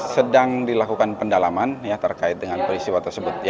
sedang dilakukan pendalaman terkait dengan peristiwa tersebut